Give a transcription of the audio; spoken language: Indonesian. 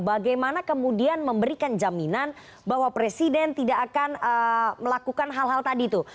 bagaimana kemudian memberikan jaminan bahwa presiden tidak akan melakukan hal hal tadi tuh